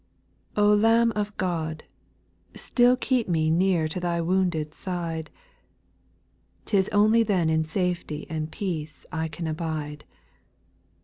r\ LAMB of God I still keep me \j Near to Thy wounded side ; T is only then in safety And peace I can abide.